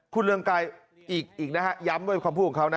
คุณเรืองไกรอีกนะฮะย้ำด้วยความพูดของเขานะ